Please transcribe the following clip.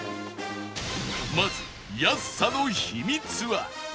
まず安さの秘密は？